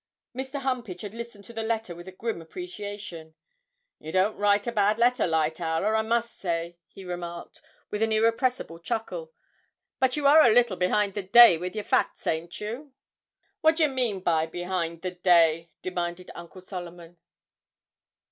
Mr. Humpage had listened to the letter with a grim appreciation. 'You don't write a bad letter, Lightowler, I must say,' he remarked, with an irrepressible chuckle, 'but you are a little behind the day with your facts, ain't you?' 'What d'ye mean by behind the day?' demanded Uncle Solomon.